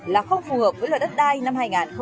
là không phù hợp với luật đất đai năm hai nghìn một mươi ba